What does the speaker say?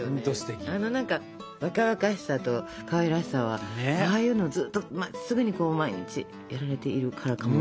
あの何か若々しさとかわいらしさはああいうのをずっとまっすぐに毎日やられているからかも。